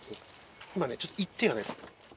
今ねちょっと「言って」がね。